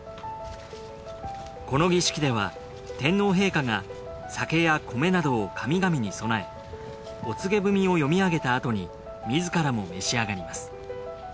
この儀式では天皇陛下が酒や米などを神々に供えお告げ文を読み上げた後に自らも召し上がります。